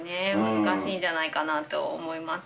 難しいんじゃないかなと思います。